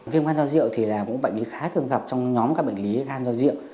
viêm gan do rượu là một bệnh lý khá thường gặp trong nhóm các bệnh lý gan do rượu